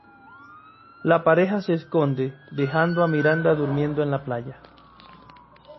La pareja se esconde, dejando a Miranda durmiendo en la playa.